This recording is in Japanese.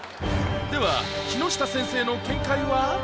では木下先生の見解は。